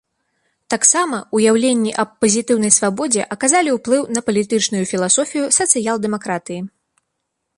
Таксама ўяўленні аб пазітыўнай свабодзе аказалі ўплыў на палітычную філасофію сацыял-дэмакратыі.